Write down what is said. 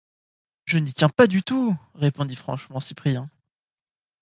Je n’y tiens pas du tout! répondit franchement Cyprien.